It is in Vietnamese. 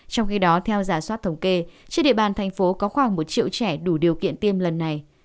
trong khi đó theo giả soát thống kê trên địa bàn thành phố có khoảng một triệu trẻ đủ điều kiện tiêm lần này